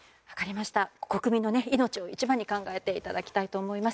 国民の命を一番に考えていただきたいと思います。